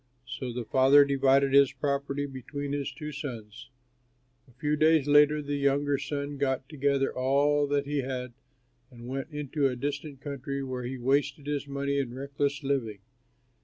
So the Father divided his property between his two sons. A few days later, the younger son got together all that he had and went into a distant country where he wasted his money in reckless living.